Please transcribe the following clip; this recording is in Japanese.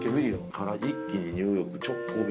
から一気にニューヨーク直行便。